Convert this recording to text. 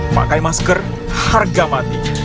pakai masker harga mati